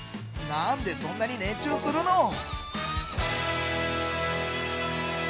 何でそんなに熱中するの？